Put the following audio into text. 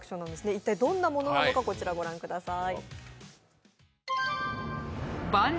一体どんなものなのか、こちら、御覧ください。